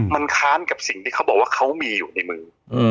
มันค้านกับสิ่งที่เขาบอกว่าเขามีอยู่ในมือ